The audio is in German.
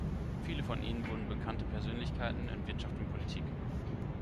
Viele von ihnen wurden bekannte Persönlichkeiten in Wirtschaft und Politik.